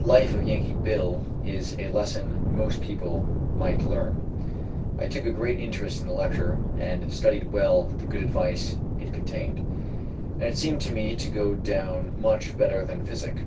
The life of Yankee Bill is a lesson most people might learn. I took a great interest in the lecture, and studied well the good advice it contained, and it seemed to me to go down much better than physic.